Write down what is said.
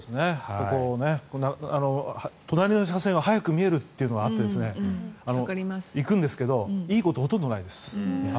ここ、隣の車線は早く見えるということがあって行くんですけどいいことはほとんどないです。